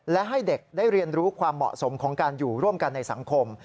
และให้เด็กได้เรียนรู้ความเหมาะสมของการอยู่ร่วมกันในสังคม